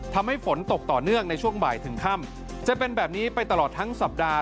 ทำให้ฝนตกต่อเนื่องในช่วงบ่ายถึงค่ำจะเป็นแบบนี้ไปตลอดทั้งสัปดาห์